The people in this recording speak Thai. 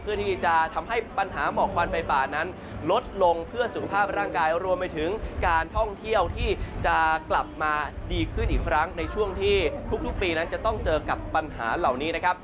เพื่อที่จะทำให้ปัญหาหมอกควันไฟป่านั้นลดลงเพื่อสุขภาพร่างกายรวมไปถึงการท่องเที่ยวที่จะกลับมาดีขึ้นอีกครั้งในช่วงที่ทุกปีนั้นจะต้องเจอกับปัญหาเหล่านี้นะครับ